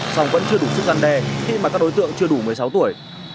song vẫn chưa đủ sức gian đe khi mà các đối tượng chưa đủ một mươi sáu tuổi